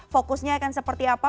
fokusnya akan seperti apa